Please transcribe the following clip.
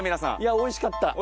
おいしかった。